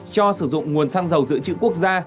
cho sử dụng nguồn xăng dầu dự trữ quốc gia